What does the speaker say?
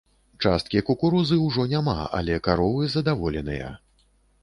Часткі кукурузы ўжо няма, але каровы задаволеныя.